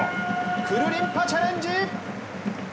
くるりんぱチャレンジ